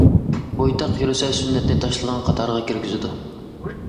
بويتاق يۈرسە، «سۈننەتنى تاشلىغان» قاتارىغا كىرگۈزىدۇ.